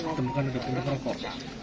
ditemukan ada pembuka rokok